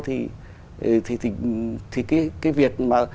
thì cái việc